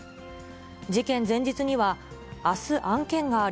事件前日には、あす案件がある。